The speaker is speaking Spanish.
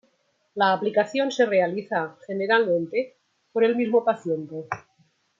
La aplicación se realiza generalmente por el mismo paciente.